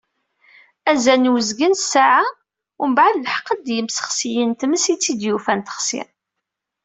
Azal n uzgen n ssaɛa umbeεd, leḥqen-d yimsexsiyen n tmes i tt-id-yufan texsi.